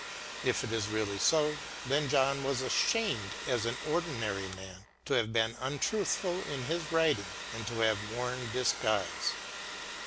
If it is really so, then John was ashamed as an ordinary man, to have been untruthful in his writing and to have worn disguise.